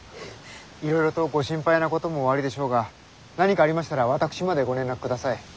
いろいろとご心配なこともおありでしょうが何かありましたら私までご連絡ください。